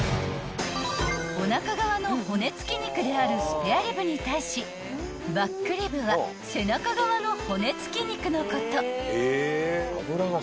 ［おなか側の骨付き肉であるスペアリブに対しバックリブは背中側の骨付き肉のこと］